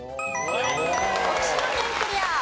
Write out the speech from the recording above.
徳島県クリア。